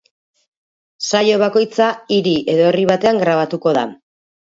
Saio bakoitza hiri edo herri batean grabatuko da.